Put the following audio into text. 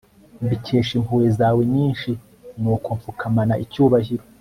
mbikesheje impuhwe zawe nyinshi nuko mpfukamana icyubahiro